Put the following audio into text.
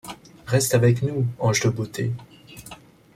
Reste avec nous, ange de beauté!